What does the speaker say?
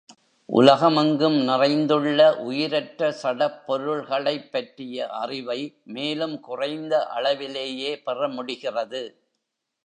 உலகம் எங்கும் நிறைந்துள்ள உயிரற்ற சடப் பொருள்களைப் பற்றிய அறிவை மேலும் குறைந்த அளவிலேயே பெற முடிகிறது.